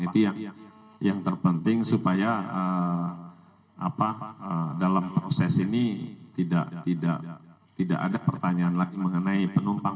itu yang terpenting supaya dalam proses ini tidak ada pertanyaan lagi mengenai penumpang